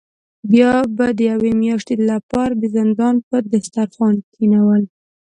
بیا به د یوې میاشتې له پاره د زندان په دسترخوان کینول.